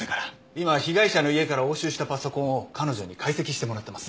今被害者の家から押収したパソコンを彼女に解析してもらってます。